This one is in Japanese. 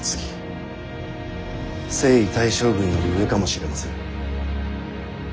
征夷大将軍より上かもしれませぬ。